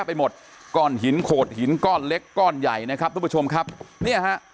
ไปหมดก้อนหินโขดหินก้อนเล็กก้อนใหญ่นะครับทุกผู้ชมครับเนี่ยฮะ